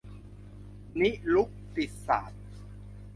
นิรุกติศาสตร์